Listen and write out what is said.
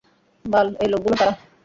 বাল, এই লোকগুলো কারা?